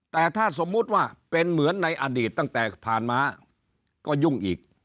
แต่ถ้าสมมุติว่าเป็นเหมือนในอดีตตั้งแต่ผ่านมาก็ยุ่งอีก